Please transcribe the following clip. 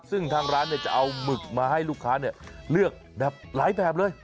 ซึ่งทางร้านจะเอาหมึกมาให้ลูกค้าเลือกแบบหลายแบบเลย